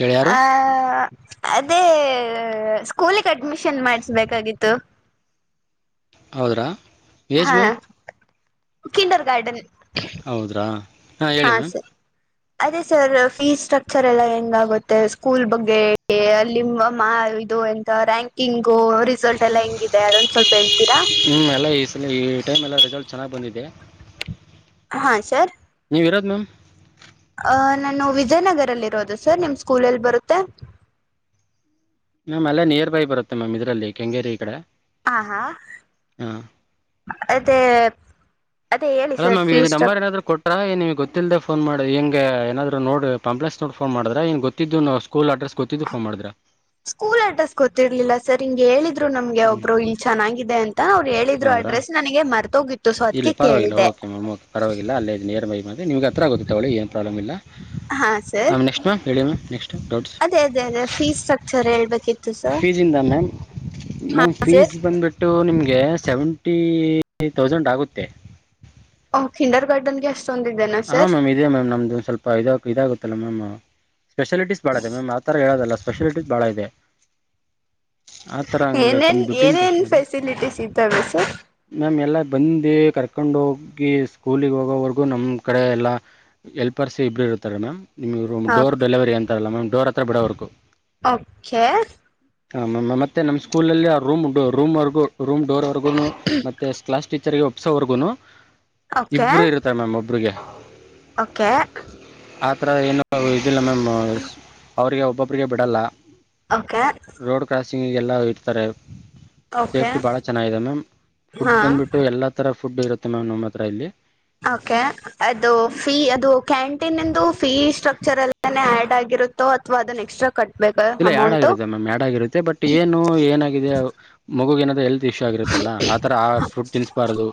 ಗೆಳೆಯರು ಆ ಅದೇ ಸ್ಕೂಲಿಗೆ ಅಡ್ಮಿಷನ್ ಮಾಡಿಸಬೇಕಾಗಿತ್ತು ಹೌದ್ರಾ ಯಜ್ ಮ್ಯಮ್ ಕಿಂಡರ್ ಗಾರ್ಡನ್ ಹೌದ್ರಾ ಹಾ ಹೇಳಿ ಮ್ಯಾಮ್ ಅದೇ ಸರ್ ಫೀಸ್ ಸ್ಟ್ರಕ್ಚರ್ ಎಲ್ಲ ಹೆಂಗಗುತ್ತೆ ಸ್ಕೂಲ್ ಬಗ್ಗೆ ಅಲ್ಲಿ ದು ಎಂತ ರ್ಯಾಂಕಿಂಗು ರಿಸಲ್ಟ್ ಎಲ್ಲಾ ಹೆಂಗ ಇಿದೆ ಅದೊಂದು ಸ್ವಲ್ಪ ಹಳ್ ಹ್ಮ್ ಎಲ್ಲಾ ಈ ಸ ಈ ಟೈಮ್ ಎಲ್ಲ ರೆಿಸಲ್ಟ್ ಚೆನ್ನಾಗ್ ಬಂದಿದೆ ಹಾ ಸರ್ ನೀವು ಇರೋದು ಮ್ಯಾಮ್ ನಾನು ವಿಜಯನಗರಲ್ಲಿರೋದು ಸರ್ ನಿಮ್ಮ ಸ್ಕೂಲಲ್ಲಿ ಬರುತ್ತೆ ಮ್ಯಾಮ್ ಅಲ್ಲೇ ನಿಯರ್ ಬೈ ಬರುತ್ತೆ ಮ್ಯಾಮ್ ಇದ್ರಲ್ಲಿ ಕೆಂಗೇರಿ ಈ ಕಡೆ ಹಾ ಹಾ ಹಾಂ ಅದೇ ಅದೇ ಹೇಳಿ ಅಲ್ಲ ಸರ್ ಮ್ಯಾಮ್ ಇ್ ಫೀಸ್ ಸ್ಟ್ರಕ್ ನಂಬರ್ ಏನಾದ್ರು ಕೊಟ್ರಾ ನಿಮ್ ಗೊತ್ತಿಲ್ಲದೆ ೋನ್ ಮಾಡಿ ಹೆಂಗಗೆ ಏನ್ರು ನೋಡಿ ಪಂಪ್ಲಲೆಸ್ ನೋಡ್ಫೋನ್ ಮಾಡ್ರೆ ಇನ್ ಗೊಿದ್ದು ನಾ ಸ್ಕೂಲ್ ಅಡ್ರೆಸ್ ಗೊತ್ತಿದ್ದು ಫೋನ್ ಮಾಡಿದ್ರ ಸ್ಕೂಲ್ ಅಡ್ರೆಸ್ ಗೊತ್ತಿರ್ಲಿಲ್ಲ ಸರ್ ಹಿಂಗಗೆ ಹೇಳಿದ್ರು ನಮ್ಗೆ ಒಬ್ರು ಇಲ್ ಚೆನ್ನಾಗಿದೆ ಅಂತ ಅವ್ರು ಹೇಳಿದ್ರು ಅಡ್ರೆಸ್ ನನಗೆ ಮರ್ತೋಗಿತ್ತು ಸೊ ಅದಕ್ಕೆ ಇಲ್ಲಿ ಪರವಾಗಿಲ್ಲ ಕೇಳಿದೆ ಓಕೆ ಮ್ಯಾಮ್ ಓಕೆ ಪರವಾಗಿಲ್ಲ ಅಲ್ಲಿೇ ನೇರ್ ಮಿೆ ನಿಮ್ ಹತ್ರ ಗೊತ್ತಾವಳ ಏ ಪ್ರಾಬ್ಲ್ ಇಲ್ಲ ಹ ಹಾ ಸರ್ ಮ್ಯಾಮ್ ನೆಕ್ಸ್ಟ್ ಮ್ಯಾಮ್ ಹೇಳಿ ಮ್ಯಾಮ್ ನೆಕ್ಸ್ಟ್ ಡೌಟ್ಸ್ ಅದೇ ಅದೇ ಅದೇ ಫೀಸ್ ಸ್ಟ್ರಕ್ಚರ್ ಹೇಳ್ಬೇಕಿತ್ತು ಸರ್ ಮ ಹಾ ಮ್ಯಾಮ್ ಫೀಸ್ ಸರ್ ಬಂದ್ಬಿಟ್ಟು ನಿಮಗೆ ಸೆವೆಂಟಿ ದೌಸಂಡ್ ಆಗುತ್ತೆ ಖಂಡಾರ್ ಗಾರ್ಡನ್ಗೆ ಅಷ್ಟು ಹಾ ಮ್ಯಾಮ್ ಇದದೆ ಮ್ಯಾಮ್ ನಮ್ದು ಸ್ವಲ್ಪ ಇದ ಇದಾಗುತ್ತಲ್ಲ ಮ್ಯಾಮ್ ಸ್ಪೆಷಾಲಿಟಿಸಸ್ ಬಾಳ ಇದೆ ಮೇಮ್ ಆತರ ಹೇಳೋದಲ್ಲ ಸ್ಪೆಷಾಲಿಟಿಸಸ್ ಬಾಳ ಇದೆ ಆತರ ಹಂಗ ಏನೇನ್ ಕಮ್ಮ ದುಡ್ಡನ್ ಏನೇನ್ ಪ್ರಶ್ನೆ ಅಲ್ಲ ಫೆಸಿಲಿಟೀಸ್ ಇದ್ದಾವೆ ಸರ್ ಮ್ಯಾಮ್ ಎಲ್ಲ ಬಂದು ಕರ್ಕೊಂಡೋಗಿ ಸ್ಕೂಲಿಗೆ ಹೋಗೋವರೆಗೂ ನಮ್ಮ ಕಡೆ ಎಲ್ಲ ಎಲ್ಪರ್ಸ್ ಇಬ್ಬರು ಇರ್ತಾರೆ ಮ್ಯಾಮ್ ನಿಮ್ ರ ಡೋರ್ ಡೆಲಿವರಿ ಅಂತಾರಲ್ಲ ಮ್ಯಾಮ್ ಡೋರ ಹತ್ರ ಬಿಡೋರೆಗೂ ಓಕೆ ಹ ಮತ್ತೆ ನಮ್ ಸ್ಕೂಲ್ ಅಲ್ಲಿ ಆ ರೂಮ್ ರೂಮ್ವರೆಗೂ ರೂಮ್ ಡೋರ್ ವರ್ಗೂನು ಮತ್ತೆ ಕ್ಲಾಸ್ ಟೀಚರ್ಗೆ ಒಪ್ಸೋವರ್ಗುನು ಓಕೆ ಇಬ್ಬರು ಇರುತ್ತೆ ಮ್ಯಾಮ್ ಒ ಹಡುಗೆ ಓಕೆ ಹತ್ರರ ಏನು ಇದಿಲ್ಲ ಮ್ಯಾಮ್ ಅವಿಗೆ ಒಬ್ಬೊಬಿಗೆ ಬಿಡಲ್ಲ ಓಕೆ ಲ್ಲ ಇರ್ತಾರೆ ಓಕೆ ಸೇಫ್ಟಿ ಬಹಳ ಚೆನ್ನಾಗಿದೆ ಮ್ಯಾಮ್ ಫುಡ್ ಹಾ ಬಂದ್ಬಿಟ್ಟು ಎಲ್ಲ ತರ ಫುಡ್ ಇರುತ್ತೆ ಮ್ಯಾಮ್ ನಮ್ಮ ಹತ್ರ ಇಲ್ಲಿ ಕೆ ಅದು ಫೀ ಅದು ಕ್ಯಾಂಟೀನ್ಂದು ಫೀ ಸ್ಟ್ರಕ್ಚರ್ ಅಲ್ಲೇ ಆಡ್ ಆಗಿರುತ್ತೋ ಅಥವಾ ಅದನ್ನು ಎಕ್ಸ್ಟ್ರಾ ಕಟ್ಟ ಇಲ್ಲ ಯಡ ಆಗರುತ್ತೆ ಮ್ಯಾಮ್ ಯಡ ಆಗರುತ್ತೆ ಬಟ್ ಏನು ಏನಾಗಿದೆ ಮಗು ಏನ ಎ ೀಕ್ಷ ಆಗಿರುತ್ತಲ್ಲ ಆತರ ಆ ಫ್ರೂಟ್ ತಿನ್ಿಸ್ಬಾರದು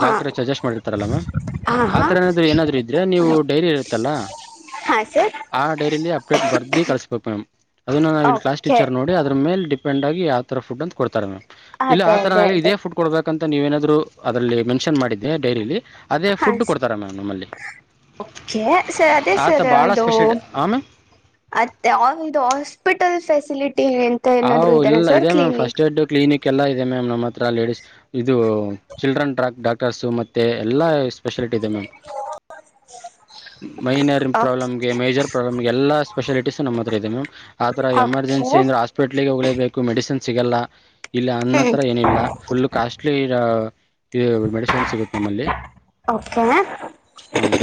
ಹಾ ಡಾಕ್ಟ್ರ ಸಜೆಸ್ಟ್ ಮಾಡಿರ್ತಾರಲ್ಲ ಮಾಮ್ ಹಾಂ ಹಾಂ ಆತರ ಏನಾದ್ರರು ಏನಾದ್ರು ಇದ್ರೆ ನೀವು ಡೈರಿ ಇರತ್ತಲ್ಲಾ ಹಾಂ ಸರ್ ಆ ಡೈರಿಲಿ ಅಪ್ಡೇಟ್ ಬರ್ದಿ ಕಳಸ್ಬೇಕು ಮ್ಯಾಮ್ ಅನ್ನು ನಾವುಲ್ಲಿ ಕ್ಾಸ್ ಓಕೆ ಟೀಚರ್ೋಡಿ ಅದರೇ ಡಿಪೆಂಡ ಆಗ ಯಾವ ಥರ ುಡ್ ಅಂತ ಕೊಡ್ತಾರೆ್ಯಾಮ್ ಇಲ್ಲ ಆ ಅದೇ ತರ ಅದೇ ನೆ ಅದೇ ಇದೇ ಫುಡ್ ಕೊಡ್ಬೇಕಂತ ನೀವೇಏನಾದ್ರು ಅದ್ರಲ್ಲಿ ಮೆನ್ಷನ್ ಮಾಡಿದ್ದೆ ಡೈರಿಲಿ ಅದೇ ಫುಡ್ ಕೊಡ್ತಾರಾ ಮ್ಯಾಮ್ ನಮ್ಮಲ್ಲಿ ೆ ಸರ್ ಅದೇ ಆತ ಸರ್ ಭಾಳ ಇದು ಸ್ಪೆಷಲ್ ಹಾಂ ಮ್ಯಾಮ್ ಅತ್ತೆ ಹಾಸ್ಪಿಟಲ್ ಫೆಸಿಲಿಟಿ ಅಂತ ಏನಾದ್ರು ಹ್ ಇದೆನಾ ಇಲ್ಲ ಸರ್ ಇದೆ ma'am clinic first aid clinic ಎಲ್ಲಾ ಇದೆ ಮ್ಯಾಮ್ ನಮ್ಮ ಹತ್ರ ಲೇಡಿಸಸ್ ಇದು ಚಿಡ್ರನ್ ಡ್ರಾಕ್ ಡಾಕ್ಟರ್ಸ್ ಮತ್ತೆ ಎಲ್ಲ ಸ್ಪೆಷಾಲಿಟಿ ಇದೆ ಮ್ಯಾಮ್ ಹ್ಮ ಮೈನರ್ ಪ್ರಾಬ್ಲಮ್ಗೆ ಮೇಜರ್ ಪ್ರಾಬ್ಲಮ್ಗೆ ಎಲ್ಲ ಸ್ಪೆಷಾಲಿಟೀಸ್ ನಮ್ಮ ಹತ್ರ ಇದೆ ಮ್ಯಾಮ್ ಆ ರ ಎಮರ್ಜೆನ್ಸಿ ಓಕೆ ಅಂದೆ ಆಸ್ ಹೋಗಲೇಬೇಕು ಮೆಡಿಸಿನ್ ಸಿಗಲ್ಲ ಇಲ್ಲ ಅನ್ನ ಹ್ಮ್ ಹತ್ರ ಏನಿಲ್ಲ ಫುಲ್ ಕಾಸ್ಟ್ಲಿ ಇದು ಮೆಡಿಸಿನ್ ಸಿಗುತ್ತೆ ನಮ್ಮಲ್ಲಿ ಕ ಹ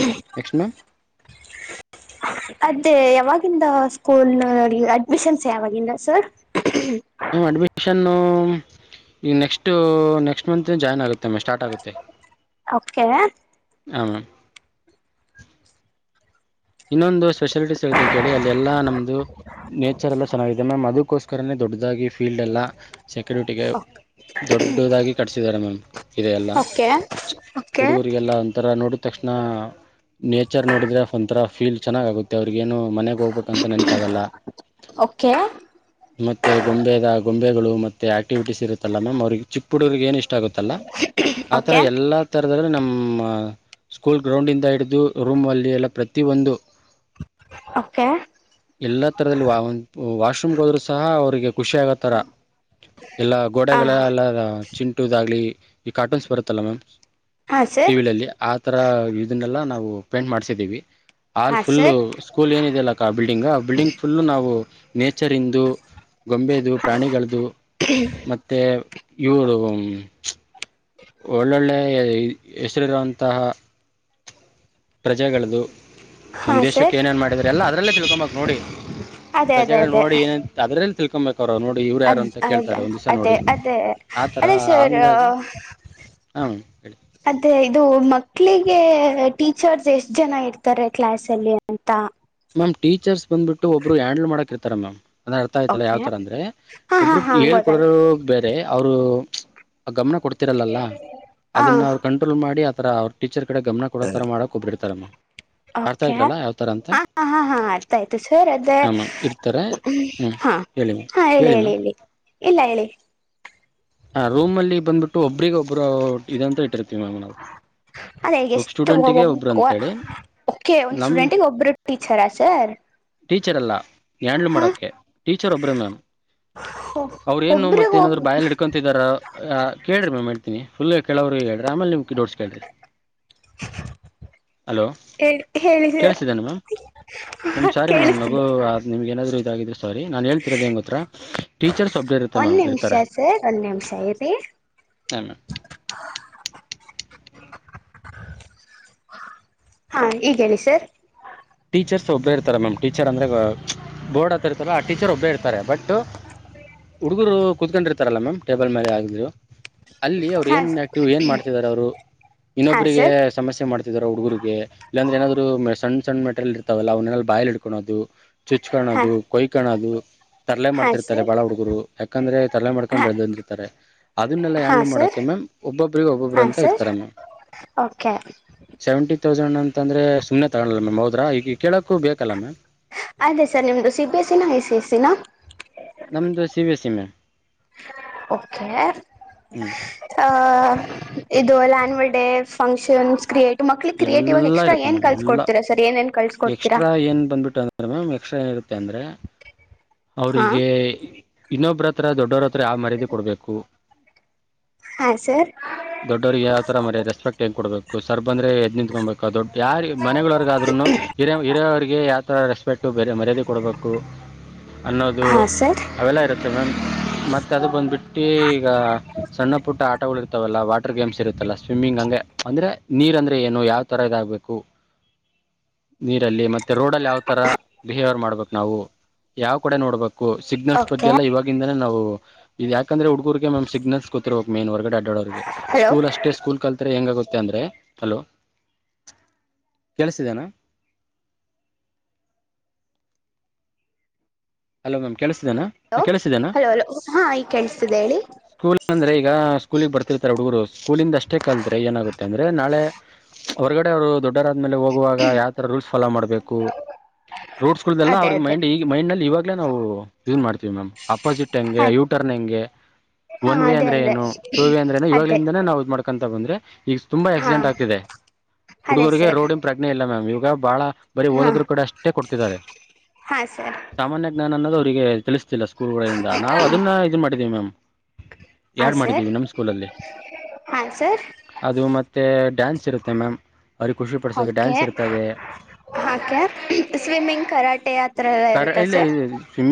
ಎಕ್ಸ್ಟ್ ಮ್ ಅದೇ ಯಾವಾಗ ಸ್ಕೂಲ್ ನ ಅಡ್ಮಿಷನ್ಸ್ ಯಾವಾಗಿಲ್ಲ ಸರ್ ಮ್ ಅಡ್ಮಿಷನ್ ಈ ನೆಕ್ಸ್ಟ್ ನೆಕ್ಸ್ಟ್ ಮಂತ್ ಜಾಯಿನ್ ಆಗುತ್ತೆ ಮತ್ತೊಮ್ಮೆ ಸ್ಟಾರ್ಟ್ ಆಗುತ್ತೆ ಓಕೆ ಆ ಇನ್ನೊಂದು ಸ್ಪೆಷಾಲಿಟಿಸ್ ಹೇಳ್ತೀನಿ ಕೇಳಿ ಅಲ್ಲಿ ಎಲ್ಲಾ ನಮ್ದು ನೇಚರ್ ಎಲ್ಲಾ ಚೆನ್ನಾಗಿದೆ ಮ್ಯಾಮ್ ಅದಕ್ಕೋಸ್ಕ ಕರೇ ದೊಡ್ಡದಾಗಿ ಫೀಲ್ಡ್ ಎಲ್ಲ ಸೆಕ್ಯೂರಿಟಿಗೆ ದೊಡ್ಡದಾಗಿ ಕಟ್ಸಿದ್ದಾರೆ ಮ್ಯಾಮ್ ಇದೆ ಎಲ್ಲ ಓಕೆ ಓಕೆ ಹುಡುಗರಿಗೆಲ್ಲ ಒಥರ ನೋಡ ತಕ್ಷಣ ನೇಚರ್ ನೋಡಿದ್ರೆ ಒಂಥರ ಫೀಲ್ ಚೆನ್ನಾಗ ಆಗುತ್ತೆ ಅವ್ರಗ ಏನು ಮನೆ ಹೋಗ್ಬೇಕಂತ ನೆನಪಾಗಲ್ಲ ಓಕೆ ಮತ್ತೆ ಗೊಂಬೆದ ಗೊಂಬೆಗಳು ಮೆ ಆಕ್ಟಿವಿಟೀಸ್ ಇರುತ್ತಲ್ಲ ಮ್ಯಾಮ್ ಅವ್ರಿಗೆ ಚಿಕ್ಕ ಪುಡೂರಿಗೆ ಏನ್ ಇಷ್ಟ ಆಗುತ್ತಲ್ಲ ಆತರ ಓಕೆ ಎಲ್ಲಾ ತರ ನಮ್ಮ ಸ್ಕೂಲ್ ಗ್ರೌಂಡ್ ಇಂದ ಹಿಡಿದು ರೂಮ್ ಅಲ್ಲಿ ಎಲ್ಲ ಪ್ರತ ಒಂದು ಓಕೆ ಎಲ್ಲಾ ತರದಲ್ಲಿ ವಾಶ್ರೂಮ್ಗೆ ಹೋದ್ರು ಸಹ ಅವ್ರಿಗೆ ಖುಷಿಯ ಆಾಗೋ ಥರ ಎಲ್ಲ ಹ ಗೋಡೆಗಳ ಎಲ್ಲ ಚಿಟದಾಗಲಿ ಈ ಕಾರ್ಟೂನ್ಸ್ ಬರುತ್ತಲ್ಲ ಮ್ಯಾಮ್ ಹಾ ಟಿವ ಸರ್ ವಿಲ್ಲಿ ಆ ಈ ತರ ಇದನ್ನೆಲ್ಲಾ ನಾವು ಪೇಂಟ್ ಮಾಡ್ಸಿದ್ದೀವಿ ಆಾಲ್ ಹಾ ಫುಲ್ು ಸರ್ ಸ್ಕೂಲ್ ಏನಿದೆಲ್ಲಕ್ಕ ಆ ಬಿಲ್ಡಿಂಗ್ ಆ ಬಿಲ್ಡಿಂಗ್ ಫುಲ್ ನಾವು ನೇಚರ್ ಇಂದು ಗೊಂಬೆದು ಪ್ರಾಣಿಗಳ್ದ ಮತ್ತೆ ಇವರು ಒಳ್ಳೊಳ್ಳೆ ಹೆಸರಿರುವಂತಹ ಪ್ರಜೆಗಳ್ದು ಹಾ ನಮ್ಮ್ ದೇಶಕ್ಕೆ ಸರ್ ಏನೇನ್ ಮಾಡಿದ್ರ ಎಲ್ಲ ಅದ್ರಲ್ಲೇ ತಿಳ್ಕೊಂಬಕ್ ನೋಡಿ ಅದೇ ಅದೇ ಪ್ರಜೆಗಳು ಅದೇ ನೋಡಿ ಏನ ಅದ್ರ ಅದ್ ಹೌದಾ ದಿವಸ ಅದೇ ನೋಡಿ ಅದೇ ಆ ಥರ ಅದೇ ಸರ್ ಹಂಗಾಗಿ ಹಾಂ ಹೇಳಿ ಅದೇ ಇದು ಮಕ್ಳಿಗೆ ಹಗೆ ಟೀಚರ್ಸ್ ಎಷ್ಟ್ ಜನ ಇರ್ತಾರೆ ಕ್ಲಾಸ್ ಅಲ್ಲಿ ಅಂತ ಮ್ಯಾಮ್ ಟೀರ್ಸ್ ಬಂದುಬಿಟ್ಟ ಒಬ್ಬರು ಹ್ಯಾಂಡಲ್ ಮಾಡಕಿರ್ತಾರೆ ಮ್ಯಾಮ್ ಅಂದ್ರ ಅರ್ಥ ಆಯ್ತಲ್ಲ ಓಕೆ ಯಾವತರ ಅಂದ್ರೆ ಹಾ ಹಾ ಒಬ್ರು ಹಾ ಹೇಳ್ಕೊಡರು ಗೊತ್ತಾಯ್ತು ಬೇರೆ ಅವರು ಗಮನ ಕೊಡ್ತಿರಲ್ಲ ಹ ಅದನ್ನ ಅವರು ಕಂಟ್ರೋಲ್ ಮಾಡಿ ಆತರ ಅವ್ರ ಟೀಚರ್ ಕಡೆ ಗಮನ ಕೊಡೋತರ ಮಾಡಕ್ ಒಬ್ರಿರ್ತಾರಮ್ಮ ಅರ್ಥಾ ಓಕೆ ಹಾ ಇದ್ರಲ್ಲಾ ಯಾವ್ ತರ ಅಂತ ಹಾ ಹಾ ಹಾ ಆತ ಆಯ್ತು ಸರ್ ಅದೇ ಹಾಂ ಮ್ಯಾಮ್ ಇರ್ತಾರೆ ಹ್ಞೂ ಹಾ ಹೇಳಿ ಮ್ಯಾಮ್ ಹಾ ಹೇಳಿ ಹೇಳಿ ಮ್ಯಾಮ್ ಹೇಳಿ ಇಲ್ಲ ಹೇಳಿ ಹ ರೂಮ್ ಅಲ್ಲಿ ಬಂದ್ಬಿಟ್ಟು ಒಬ್ರಗ ಒಬ್ಬರು ಇದಂತ ಇಟ್ಟಿರ್ತೀವಿ ಮ್ಯಾಮ್ ನಾವು ಅದೇ ಒಬ್ಬ ಎಷ್ಟು ಒ ಸ್ಟೂಡೆಂಟಿಗೆ ಒಬ್ರು ಅಂತೇಳಿ ಓಕೆ ಒಂದ್ ನಮ್ ಸ್ಟೂಡೆಂಟಿಗೆ ಒಬ್ರು ಟೀಚರಾ ಸರ್ ಟೀಚರಲ್ಲ ಹ್ಯಾಂಡ್ಲ್ ಹ ಮಾಡಕ ಟೀಚರ್ ಒಬ್ಬ್ರ ಮ್ಯಾಮ್ ಅವ್ರ ಏನು ಮತ್ತ ಒಬ್ರಿಗ ಒಬ್ ಏನಾದ್ರು ಬಾಯಲ್ ಅಂತಾರ ಕೇಳ್ರಿ ಮೇ್ ಹೇಳ್ತೀನಿ ಫುಲ್ ಕೆಳವ್ರರಿಗೆಿಗೆ ಹೇಳ್ರಿ ರಾಮಲಿಮಕಿ ಡೋಡ್ಸ್ಕರಿ ಹಲೋ ಹೇಳಿ ಸರ್ ಕೇಳಸಿದ್ದೇಾನ ಮ್ಯಾಮ್ ಮ್ಯಾಮ್ ಸಾರಿ ಮ್ಯಾಮ್ ನಗು ಕೇಳಿಸ್ತಿದೆ ನಿಮ್ಗೆ ಏನಾದ್ೂ ಸಾರಿ ನಾನ್ ಹೇಳ್ತಿರೋದು ಹೆಂಗ ಹ ಟೀಚರ್ಸ್ ಅಪ್ಡೇಟ್ ಇತ್ತೆ ಮಾಮ್ ಇರ್ತಾರೆ ಒಂದು ನಿಮಿಷ ಇರಿ ಹಾ ಈಗ ಹೇಳಿ ಸರ್ ಟೀಚರ್ಸ್ ಒಬ್ಬೇ ಇರ್ತಾರೆ ಮ್ಯಾಮ್ ಟೀಚರ್ ಅಂದ್ರೆ ಬೋರ್ಡ್ ಹತ್ತ ಇರ್ತಲ್ಲ ಆ ಟೀಚರ್ ಒಬ್ಬೇ ಇರ್ತಾರೆ ಬಟ್ ಅೋ ಹುಡುಗರು ಕೂತ್ಕೊಂಡಿರ್ತಾರಲ್ಲ ಮ್ಯಾಮ್ ಟೇಬಲ್ ಮೇಲೆ ಆಗಿದ್ರು ಅಲ್ಲಿ ಅವ್ರು ಹಾ ಏನ್ ಆಕ್ಟಿವ್ ಏನ್ ಮಾಡ್ತಿದಿದ್ದಾರೆ ಅವ್ರು ಹಾ ಇನ್ನೊಬ್ಬ್ರರಿಗೆ ಸರ್ ಸಮಸ್ಯೆ ಮಾಡ್ತಿದಾರ ಹುಡುಗರಿಗೆ ಇಲ್ಲಾಂದ್ರೆ ಏನಾದ್ರು ಸಣ್ಣ್ ಚೆಂದ್ ಮೆಟೀರಿಯಲ್ ಇರ್ತಾವಲ್ಲ ಅವನ್ನೆಲ್ಲ ಬಾಯಿಲ್ ಇಡ್ಕೋದು ಚುಚ್ ಹಾ ಕಾಣೋದು ಕೊಯ್ ಕಾಣೋದು ತರಲೆ ಹಾ ಮಾಡ್ತಿರ್ತಾರೆ ಸರ್ ಬಾಳ ಹುಡುಗರು ಯಾಕಂದ್ರೆ ತರಲೆ ಮಾಡ್ಕೊಂಡು ಹಾ ಬೆಳೆದಂದಿರ್ತಾರೆ ಅದನ್ನೆಲ್ಲ ಹಾ ಆ್ಯಾಂಡ್ಲ್ ಸರ್ ಮಾಡಕೆ ಮೆ ಒಬ್ಬೊಬ್ಬ್ರಿಗೆ ಒಬ್ಬೊಬ್ರು ಹಾ ಅಂತ ಸರ್ ಇರ್ತಾರೆ ಮ್ ಓಕೆ ಸೆವೆಂಟಿ ತೌಸಂಡ್ ಅಂತ ಅಂತಂದ್ರೆ ಸುಮ್ಮನೆ ತಗೊಲ್ಲ ಮ್ಯಾಮ್ ಹದಾ ಈಗ ಕೇಳಕ್ಕು ಬೇಕಲ್ಲ ಮಾಮ್ ಅದೇ ಸರ್ ನಿಮ್ದು ಸಿ ಬಿ ಎಸ್ಸಿನ ಐ ಸಿ ಎಸ್ಸಿನ ಸಿ ಬಿ ಎಸ್ಸಿ ಓಕೆ ಹ್ಞೂ ಇದು ಅಲ್ನ್ವರ್ ಡಡೆ ಫಂಕ್ಷನ್ಸ್ ಕ್ರಿಯೇಟ್ ಮಕ್ಳಿಗೆ ಕ್ರಿಯೇಟಿವ್ ಆಗಿ ಎಲ್ಲ ಎಕ್ಸ್ಟ್ರಾ ಇರುತ್ತೆ ಏನ್ ಮ್ಯಾಮ್ ಎಲ್ಲ ಕಲ್ಸಕೊಡ್ತಿೀರ ಸರ್ ಏನ್ ಏನ್ ಕಳ್ಸಕೊಡ್ತೀರಾ ಕ್ಷ ಏನಿರುತ್ತೆ ಅಂದ್ರೆ ಹಾ ಅವರಿಗೆ ಇನ್ನೊಬ್ಬ್ರ ಹತ್ರ ದೊಡ್ಡವರ ಹತ್ರ ಆ ಮರ್ಯದಿ ಕೊಡ್ಬೇಕು ಹಾ ಸರ್ ದೊಡ್ಡವ್ರರಿಗೆ ಯಾವ ತರ ಮರ ರೆಸ್ಪೆಕ್ಟ್ ಹೆಂಗ್ ಕೊಬೇಕು ಸರ್ ಬಂದ್ರೆ ಎದ್ ನಿಂತ್ಕೊಬೇಕು ದೊಡ್ಡ ಯಾರಿ ಮನೆಗಳವರ್ಗ ಹಿಯ ಹಿರಿಯವರಿಗೆ ಯಾವತರ ರೆಸ್ಪೆಕ್ಟ್ ಬ ಮರ್ಯಾದೆ ಕೊಡಬೇಕು. ಅನ್ನೋದು. ಹಾ ಸರ್ ಅವೆಲ್ಲ ಇರುತ್ತೆ ಮ್ಯಾಮ್ ಮತ್ತ ಅದು ಬಂದ್ಬಿಟ್ಟು ಈಗ ಸಣ್ಣ ಪುಟ್ಟ ಆಟಗಳು ಇರ್ತಾವಲ್ಲ ವಾ. ವಾಟರ್ ಗೇಮ್ಸ್ರುತ್ತಲ್ಲ ಸ್ವಿಮ್ಮಿಂಗ್ ಹ ಹಾಗಗೆ ಅಂದ್ರೆ. ನೀರ್ಂದ್ರೆ ಏನು ಯಾವ್ ತರ ಇದಾಗಬೇಕು. ನೀರಲ್ಲಿ ಮತ್ತೆ ರೋಡ್ ಅಲ್ಲಿ ಯಾವ್ ತರ ಬಿಹೇವಿಯರ್ ಮಾಡ್ಬೇಕು ನಾವು ಯಾವ್ ಕಡೆ ನೋಡ್ಬೇಕು. ಸಿಗ್ನಲ್ಸ್ ಬಗ್ಗೆ ಓಕೆ ಎಲ್ಲ ಇವಾಗಿಂದನೇ ನಾವು ಇ ಯಾಕಂದ್ರೆ ಹುಡುಗರ್ರಿಗೆ ಮ್ ಸಿಗ್ನಲ್ಸ್ ಕೊತಿರ್ವಬೇಕ ಮೇನ್ ವರ್ಗಡೆ. ಅಡ್ಡ ಅವ್ರರಿಗೆ ಹಲೋ ಸ್ಕೂಲ್ ಅಷ್ಟೇ ಸ್ಕೂಲ್ ಕಲ್ತ್ರೆ ಹೆಂಗಾಗುತ್ತೆ. ಅಂದ್ರೆ ಹಲೋ ಕೇಳಸಿದೇನಾ ಹ ಅಲೋ ಮ್ಯಾಮ್ ಕೆಳ ಹಲ ಹಲೋಲ ಹಾ ಈ ಕೇಳ್ಸ್ತಿದೆ ಹೇಳಿ. ಸ್ಕೂಲ್ ಅಂದ್ರೆ ಈಗ ಸ್ಕೂಲಗ್ ಬರ್ತಿರ್ತಾರೆ ಹುಡುಗರು. ಸ್ಕೂಲಿಂದ ಅಷ್ಟೇ ಕಲ್ತ್ರೆ ಏನಾಗುತ್ತೆ ಅಂದ್ರೆ ನಾಳೆ ಹೊರಗಡೆ ಅವರು ದೊಡ್ಡ, ದೊಡ್ಡರ್ ಆದ್ಮೇಲೆ ಹೋಗುವಾಗ ಯಾವತರ ರೂಲ್ಸ್ ಫಾಲೋ ಮಾಡ್ಬೇಕು. ರೋಡ್ಸ್ಗಳದೆಲ್ಲ ಅದೇ ಅವ್ರಿಗೆ ಅದೇ ಮೈಂಡ್ ಈಗ ಮೈಂಡ್ ನಲ್ಲಿ ಇವಾಗ, ನಾವು ಇವು ಮಾಡ್ತೀವಿ ಮ್ಯಾಮ್. ಅಪೋಸಿಟ್ ಹೆಂಗೆ, ಹ ಯೂಟರ್ನ್ ಹೆಂಗೆ, ಹಾ ಒನ್ ವೇ ಅದೇ ಅಂದ್ರೆ ಅದೇ ಏನು, ಟೂ ವೇ ಅಂದ್ರೆ ಏನು, ಅದೇ ಇವಾಗಿಂದನೇ ನಾವು, ಮಾಡ್ಕೊಂತ ಬಂದ್ರೆ ಈಗ ತುಂಬಾ ಹಾ ಆಕ್ಸಿಡೆಂಟ್ ಆಗ್ತಿದೆ ಅದೇ ಹುಡುಗೂರಿಗೆ ಸರ್ ರೋಡಿನ ಪ್ರಜ್ಞೆ ಇಲ್ಲ ಮ್ಯಾಮ್. ಇವಾಗ, ಬಹಳ ಬರೀ ಹಾ ಓದದ್ರು ಕಡೆ ಅಷ್ಟೇ ಕೊಡ್ತಿದ್ದಾರೆ. ಹಾ ಸರ್ ಸಾಮಾನ್ಯ, ಜ್ಞಾನ ಅನ್ನೋದು ಅವ್ರರಿಗೆ ತಿಳಿಸ್ತಿಲ್ಲ ಸ್ಕೂಲ್ಗಳಿಂದ ನಾವು ಅದನ್ನ ಇದು ಮಾಡಿದೀವಿ ಮ್ಯಾಮ್. ಹಾ ಯಾರ್ ಸರ್ ಮಾಡಿದ್ದೀವಿ ನಮ್ ಸ್ಕೂಲಲ್ಲಿ. ಹಾ ಸರ್ ಅದು ಮತ್ತೆ ಡ್ಯಾನ್ಸ್, ಇರುತ್ತೆ ಮ್ಯಾಮ್ ಅವ್ರಿಗೆ ಖುಷಿ ಪಡಿಸೋಕೇ ಡ್ಯಾನ್ಸ್ ಇರ್ತವೆ. ಹಾಕೆ ಸ್ವಿಮ್ಮಿಂಗ್ ಕರಾಟೆ ಆತ್ರ ಎಲ್ಲ ಇರುತ್ತ ಸರ್. [unintelligible] ರು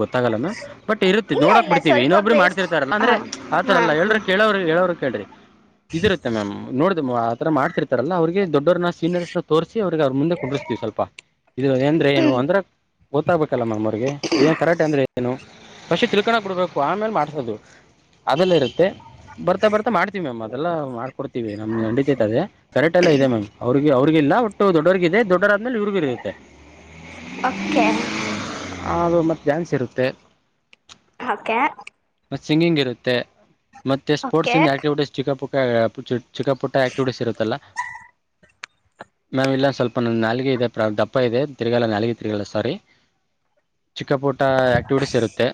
ಗೊತ್ತಾಗಲ್ಲ ಬಟ್ ಇರುತ್ತ ಇಲ್ಲ ನೋಡಾಕ್ ಇಲ್ಲ ಬಿಡ್ತತಿವಿ. ಸ್ವಲ್ಪ ಇನ್ನೊಬ್ಬರು ಬೇಸ್ ಮಾಡ್ತಿರ್ತಾರಲ್ಲ ಅಂದ್ರೆ ಹ ಆ ಹಾ ತರಲ್ಲ ಎ ಹಾ ಹೇಳರು ಕೇಳೋರು ಹೇಳೋರು ಕ್ರಿ ಇದಿರುತ್ತೆ ಮ್ಯಾಮ್ ನೋಡ್ದ ಆ ತರ ಮಾಡ್ತಿರ್ತಾರಲ್ಲ ಅವ್ರಿಗೆ ದೊಡ್ಡವ್ರನ್ನ ಸೀನಿಯರ್ಸ್ ನ ತೋರಿಸ ಅವ್ರಿಗೆ ಅವ್ರ ಮುಂದೆ ಕುಂದ್ಸತೀವಿ ಸ್ವಲ್ ಇದು ಅಂದ್ರೆ ಏನು. ಹ್ಮ್ ಅದ್ರ ಗೊತ್ತಾಗಬೇಕಲ್ಲ ಮ್ಯಾಮ್ ಅವ್ರಿಗೆ ಏನು ಕರಾಟೆ ಅಂದ್ರೆ ಏನು. ಪಶಿ ತಿಳ್ಕಣ ಕೊಡ್ಬೇಕು ಆಮೇಲೆ ಮಾಡ್ಸೋದು ಅದೆಲ್ಲ ಇರುತ್ತೆ. ಬರ್ತಾ ಬರ್ತಾ ಮಾಡ್ತೀವಿ ಮ್ಯಾಮ್ ಅದೆಲ್ಲ ಮಾಡ್ಕೊಡ್ತೀವಿ. ನಮ್ಗೆ ತೈತದೆ ಕರೆಕ್ಟ್ ಎಲ್ಲ ಇದೆ. ಮ್ಯಾಮ್ ಅವ್ರಿಗೆ ಅವ್ರ ಗಿಲ್ಲ ಒಟ್ಟು ದೊಡ್ಡವರ್ಗಿದೆ ದೊಡ್ಡರ ಆದ್ಮೇಲೆ ಇವ್ರಗೂ ಇರುತ್ತೆ. ಓಕೇ. ದು ಮತ್ತೆ ಡಾನ್ಸ್ ಇರುತ್ತೆ. ಓಕೆ. ಮತ್ತ ಸಿಂಗಿಂಗ್ ಇರುತ್ತೆ. ಮತ್ತೆ ಸ್ಪೋರ್ಟ್ಸ್ ಓಕೆ ಇಂದ ಆಕ್ಟಿವಿಟೀಸ್ ಚಿಕ್ಕ ಪುಕ್ಕ, ಚಿಕ್ಕ ಪುಟ್ಟ ಆಕ್ಟಿವಿಟೀಸ್ ಇರುತ್ತಲ್ಲ. ಮ್ಯಾಮ್ ಇಲ್ಲ ಸ್ವಲ್ಪ್ ನಾಲ್ಗೆ ಇದೆ ದಪ್ಪ ಇದೆ. ತಿರ್ಗಾಲ್ಲ ನಾಲ್ಗೆ. ಸಾರಿ ಚಿಕ್ಕ ಪುಟ ಆಕ್ಟಿವಿಟೀಸ್ ಇರುತ್ತೆ.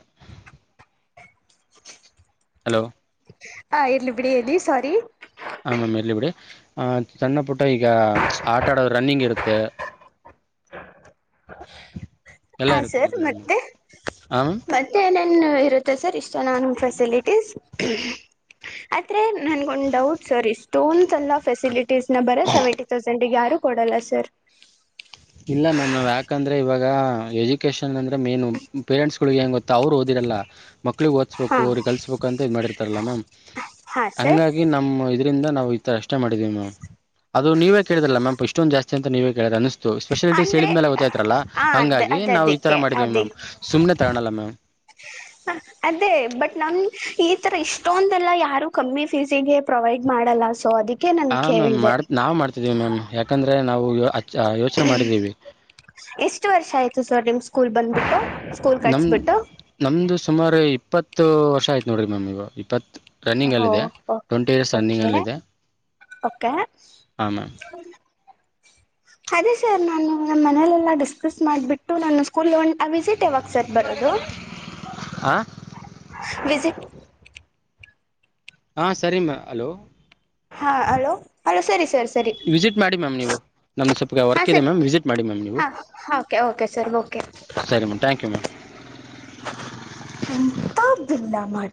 ಹಲೋ ಆ ಇರ್ಲಿ ಬಿಡಿ ಹೇಳಿ ಸ್ವಾರಿ. ಹ ಮ್ಯಾಮ್ ಇರ್ಲಿ ಬಿಡಿ ಆ ಸಣ್ಣ ಪುಟ್ಟ ಈಗ ಆಟ ಆಡದು ರನ್ನಿಂಗ್ ಇರುತ್ತೆ. [inaudible] ಎಲ್ಲ ಹ ಇರುತ್ತೆ ಸರ್ ಮ್ಯಾಮ್ ಹ ಮತ್ತೆ ಮ್ಯಾಮ್ ಮತ್ತೆ ಏನೇನ್ ಇರ. ಸರ್ ಇಷ್ಟ ನಾನು ಫೆಸಿಲಿಟೀಸ್. ಆದ್ರೆ ನನ್ಗೊಂದು ಡೌಟ್ ಸರ್. ಇಷ್ಟೊಂದ ಎಲ್ಲ ಫೆಸಿಲಿಟಿ. [unintelligible] ಸೆವೆಂಟಿ ತೌಸಂಡಗೆ ಯಾರು ಕೊಡಲ್ಲ ಸರ್. ಇಲ್ಲ ಮ್ಯಾಮ್ ನಾವ್ ಯಾಕಂದ್ರೆ ಇವಾಗ ಎಜುಕೇಶನ್ ಅಂದ್ರೆ ಮೇನು ಪೇರೆಂಟ್ಸ್ಗೆ ಗೊತ್ತಾ ಅವ್ರು ಓದಿಲ್ಲ ಇಲ್ಲ. ಮಕ್ಳಿಗೆ ಓದ್ಬೇಕು ಹಾ ಅವಿಗೆ ಕಲ್ಸಸ್ಬೇಕು ಇದ್ ಮಾಡಿರ್ತಾರಲ್ಲ. ಮ್ಯಾಮ್ ಹಾ ಸರ್ ಹಂಗಾಗಿ ನಮ್ಮ್ ಇ ಇ ನಾವು ತರ ಇಷ್ಟೇ ಮಾಡಿದೀವಿ ಮ್ಯಾಮ್. ಅದು ನೀವೇ ಕೇಳಿದಲ್ಲ ಮ್ಯಾಮ್ ಇಷ್ಟೊಂದು ಜಾಸ್ತಿ ಅಂತ ನೀವೇ ಕೇಳ ಅ. ಸ್ಪೆಷಾಲಿಟೀಸ್ ಅಂದ್ರೆ ಹೇಳಿದ ಮೇಲೆ ಗೊತ್ತತಯ್ತಾರಲ್ಲ ಹ ಅದ ಹಂಗಾಗಿ ಅದ ನಾವು ಈ ತರ ಅದಕ್ಕೆ ಮಾಡಿದೀವಿ ಮ್ಯಾಮ್ ಸುಮ್ಮನೆ ತಗನಲ್ಲ ಮ್ಯಾಮ್. ಹ ಅದೇ ಬಟ್ ನಮ ಈ ತರ ಇಷ್ಟೊಂದೆಲ್ಲ ಯಾರು ಕಮ್ಮಿ ಫೀಸಿಗೆ ಪ್ರೊವೈಡ್ ಮಾಡಲ್ಲ. ಸೊ ಅದಕ್ಕೆ, ನನ್ ಹ ಮ್ಯಾಮ್ ಕೇಳ್ದೆ ಮಾಡ್ ನಾ ಮಾಡ್ತಿದ್ವಿ. ಮ್ಯಾಮ್ ಯಾಕಂದ್ರೆ ನಾವು, ಯೋಚನೆ ಮಾಡಿದ್ದೀವಿ ಎಷ್ಟು ವರ್ಷ ಆಯ್ತು ಸರ್ ನಿಮ್ ಸ್ಕೂಲ್ ಬಂದ್ಬಿಟ್ಟು. ಸ್ಕೂಲ್ ನಮ ಕಟ್ಸ್ಬಿಟ್ಟು ನಮ್ದು ಸುಮಾರು ಇಪ್ಪತ್ತು ವರ್ಷ ಆಯ್ತು ನೋಡ್ರಿ ಮ್ಯಾಮ್ ಈಗ ಇಪ್ಪತ್, ರನ್ನಿಂಗ್ ಅಲ್ಲಿ ಓ ಇದೆ. ಟ್ವೆಂಟಿ ಇರ್ಸ್ ರನ್ನಿಂಗ್ ಓಕೆ ಅಲ್ಲ ಇದೆ. ಓಕೆ. ಅದೇ ಸರ್ ನಾನು ನ ಮನಲೆೆಲ್ಲಾ ಡಿಸ್ಕಸ್ ಮಾಡ್ಬಿಟ್ಟು ನಾನು, ಸ್ಕೂಲ್ ವಿಸಿಟ್ ಯಾವಾಗ ಸರ್ ಬರೋದು. ಹಾಂ ವಿಸಿಟ್, [inaudible] ಹಾ ಸರಿಮ್ಮ ಹಲೋ ಹಾ ಹಲೋ ಹಲೋ ಸರಿ ಸರ್ ಸರಿ ವಿಸಿಟ್ ಮಾಡಿ ಮ್ಯಾಮ್ ನೀವು ನಮ ಸ್ವಪ ಹಾ ವರ್ಕ್ ಇದೆ ಸರ್ ಮ್ಯಾಮ್ ವಿಸಿಟ್ ಮಾಡಿ ಮ್ಯಾಮ್ ನೀವು ಹಾ ಓಕೆ ಓಕೆ ಸರ್ ಓಕೆ ಸರಿ ಮ್ಯಾಮ್ ಥ್ಯಾಂಕ್ ಯು ಮ್ಯಾಮ್ ಎಂತ ಬಿಲ್ಲ ಮಾಡ